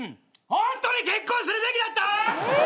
ホントに結婚するべきだった！？